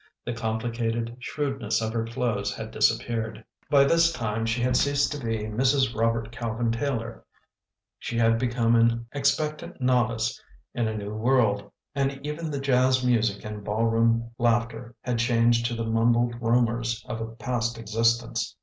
The complicated shrewdness of her clothes had disappeared. By this time she had ceased to be Mrs. Robert Cal vin Taylor — she had become an expectant novice in a new world, and even the jazz music and ballroom laughter had changed to the mumbled rumours of a past existence.